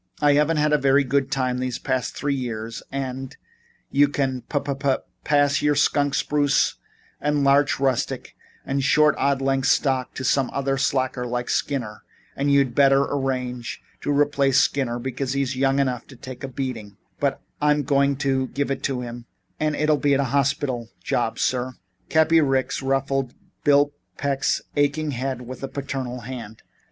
I haven't had a very good time the past three years and and you can pa pa pass your skunk spruce and larch rustic and short odd length stock to some slacker like Skinner and you'd better arrange to replace Skinner, because he's young enough to take a beating and I'm going to give it to him and it'll be a hospital job sir " Cappy Ricks ruffled Bill Peck's aching head with a paternal hand.